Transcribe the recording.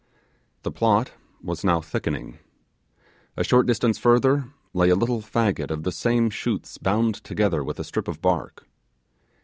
The plot was now thickening. A short distance further lay a little faggot of the same shoots bound together with a strip of bark.